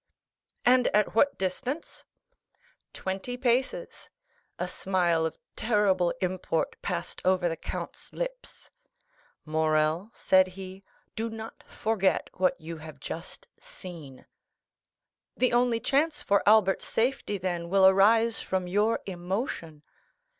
"And at what distance?" "Twenty paces." A smile of terrible import passed over the count's lips. "Morrel," said he, "do not forget what you have just seen." "The only chance for Albert's safety, then, will arise from your emotion."